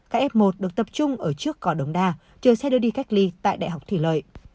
các f một được tập trung ở trước cỏ đống đa chờ xe đưa đi cách ly tại đại học thủy lợi